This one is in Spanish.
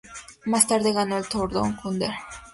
Más tarde ganó el Tour Down Under.